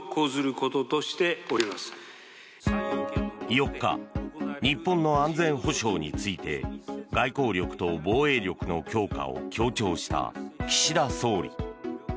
４日、日本の安全保障について外交力と防衛力の強化を強調した岸田総理。